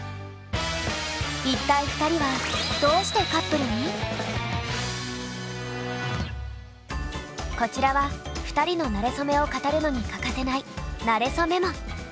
一体２人はこちらは２人のなれそめを語るのに欠かせない「なれそメモ」。